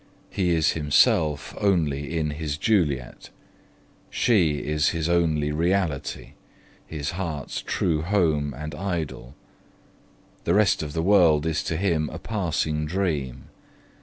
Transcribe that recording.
He is himself only in his Juliet; she is his only reality, his heart's true home and idol. The rest of the world is to him a passing dream.